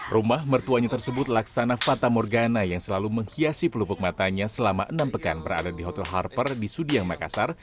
rumah mertuanya tersebut laksana fata morgana yang selalu menghiasi pelupuk matanya selama enam pekan berada di hotel harper di sudiang makassar